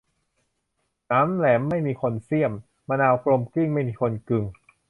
หนามแหลมไม่มีคนเสี้ยม มะนาวกลมเกลี้ยงไม่มีคนกลึง